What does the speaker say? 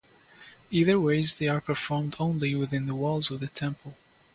Either ways, they are performed only within the walls of the temple.